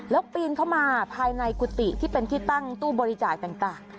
แล้วปีนเข้ามาภายในกุฏิที่เป็นที่ตั้งตู้บริจาคต่าง